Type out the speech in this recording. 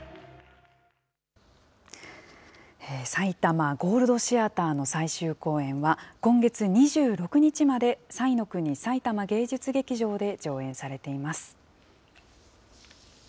さいたまゴールド・シアターの最終公演は、今月２６日まで、彩の国さいたま芸術劇場で上演されています。